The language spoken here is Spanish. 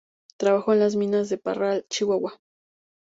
Trabajó en las minas de Parral, Chihuahua.